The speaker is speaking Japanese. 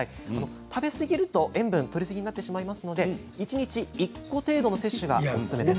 食べ過ぎると塩分のとりすぎになってしまいますので一日１個程度の摂取がおすすめです。